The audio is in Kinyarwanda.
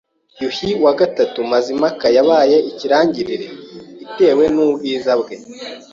Yuhi III Mazimpaka yabaye ikirangirire itewe n’ubwiza bwe